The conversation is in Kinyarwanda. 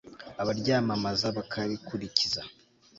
abaryamamaza; bakarikurikiza